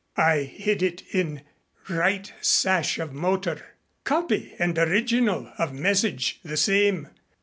I hid it in right sash of motor. Copy and original of message the same.